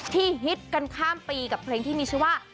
ฮิตกันข้ามปีกับเพลงที่มีชื่อว่า